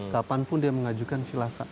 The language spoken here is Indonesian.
kapanpun dia mengajukan silahkan